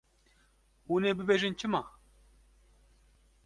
Hûn ê bibêjin çima?